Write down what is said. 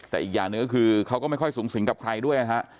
แต่อีกอย่างหนึ่งก็คือเขาก็ไม่ค่อยสูงสิงกับใครด้วยนะฮะ